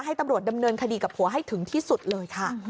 ให้ตำรวจดำเนินคดีกับผัวให้ถึงที่สุดเลยค่ะ